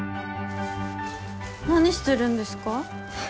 何してるんですか？